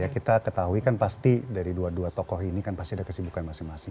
kita ketahui kan pasti dari dua dua tokoh ini kan pasti ada kesibukan masing masing